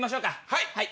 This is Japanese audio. はい！